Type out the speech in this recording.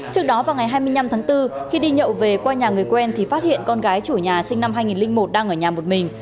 các bạn hãy đăng ký kênh để ủng hộ kênh của chúng mình nhé